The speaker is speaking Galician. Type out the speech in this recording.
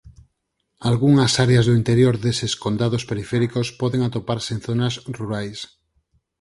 Algunhas áreas do interior deses "condados periféricos" poden atoparse en zonas rurais.